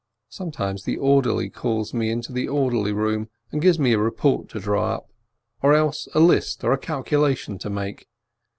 Sometimes the orderly calls me into the orderly room, and gives me a report to draw up, or else a list or a calculation to make.